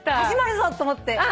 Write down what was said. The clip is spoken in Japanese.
始まるぞと思って。